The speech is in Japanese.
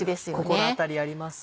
心当たりあります。